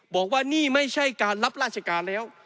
บอกว่านี่ไม่ใช่การรับราชการแล้ว